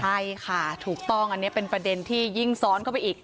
ใช่ค่ะถูกต้องอันนี้เป็นประเด็นที่ยิ่งซ้อนเข้าไปอีก